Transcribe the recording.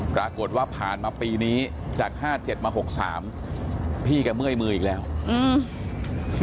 ปรากฏว่าผ่านมาปีนี้จากห้าเจ็ดมาหกสามพี่แกเมื่อยมืออีกแล้วอืม